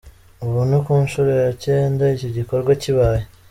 Ubu ni ku nshuro ya cyenda iki gikorwa kibaye.